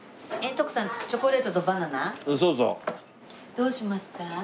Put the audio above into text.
どうしますか？